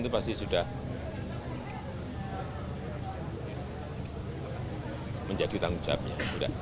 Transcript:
itu pasti sudah menjadi tanggung jawabnya